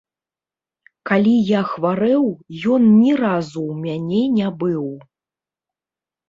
Калі я хварэў, ён ні разу ў мяне не быў.